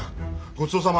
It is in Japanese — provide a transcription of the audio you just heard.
ごちそうさま！